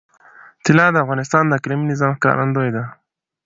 طلا د افغانستان د اقلیمي نظام ښکارندوی ده.